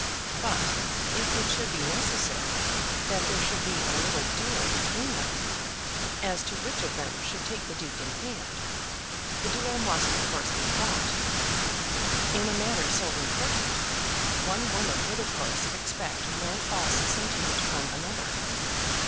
But if it should be necessary that there should be a little duel between them, as to which of them should take the Duke in hand, the duel must of course be fought. In a matter so important, one woman would of course expect no false sentiment from another.